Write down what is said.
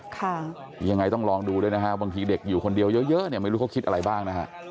ยังไงต้องลองดูด้วยนะฮะบางทีเด็กอยู่คนเดียวเยอะเยอะเนี่ยไม่รู้เขาคิดอะไรบ้างนะฮะ